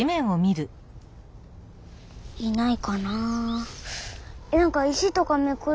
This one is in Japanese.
いないかな。